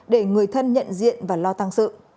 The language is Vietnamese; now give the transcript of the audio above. để người thân nhận diện và lo tăng sự